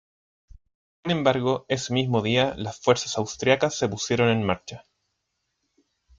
Sin embargo ese mismo día las fuerzas austriacas se pusieron en marcha.